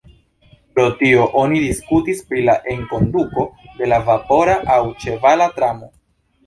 Pro tio oni diskutis pri la enkonduko de vapora aŭ ĉevala tramo.